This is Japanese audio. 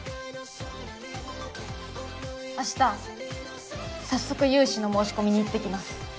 あした早速融資の申し込みに行ってきます。